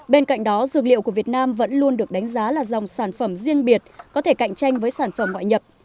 bên cạnh đó dược liệu của việt nam vẫn luôn được đánh giá là dòng sản phẩm riêng biệt có thể cạnh tranh với sản phẩm ngoại nhập